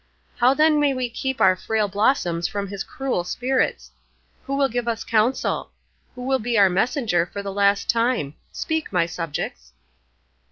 How then may we keep our frail blossoms from his cruel spirits? Who will give us counsel? Who will be our messenger for the last time? Speak, my subjects."